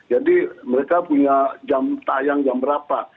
jadi mereka punya jam tayang jam berapa